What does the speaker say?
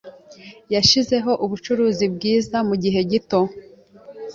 Yashizeho ubucuruzi bwiza mugihe gito.